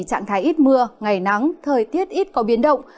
trạng thái ít mưa ngày nắng thời tiết ít có biến động